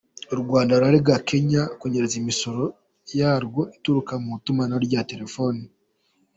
U Rwanda rurarega Kenya kunyereza imisoro yarwo ituruka mu itumanaho rya terefoni.